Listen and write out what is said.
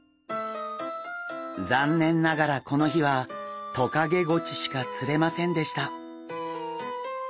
残念ながらこの日はトカゲゴチしか釣れませんでした。